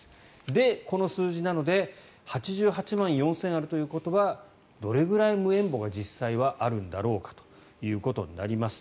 で、この数字なので８８万４０００あるということはどれくらい無縁墓が実際はあるんだろうかということになります。